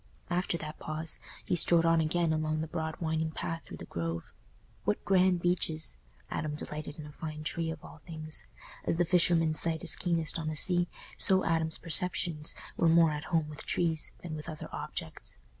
After that pause, he strode on again along the broad winding path through the Grove. What grand beeches! Adam delighted in a fine tree of all things; as the fisherman's sight is keenest on the sea, so Adam's perceptions were more at home with trees than with other objects.